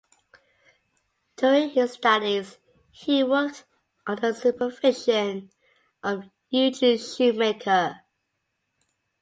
During his studies, he worked under the supervision of Eugene Shoemaker.